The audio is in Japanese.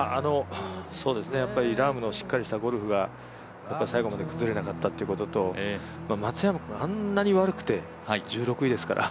ラームのしっかりしたゴルフが最後まで崩れなかったということと松山君があんなに悪くて１６位ですから、